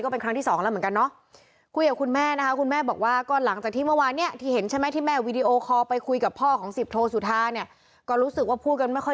ก็ทั้งเป็นอุทาหรณ์แล้วก็เมรินกรรมอะไรของเขานั่นแหละ